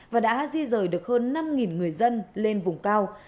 và đã di rời được hơn năm người dân lên vùng cao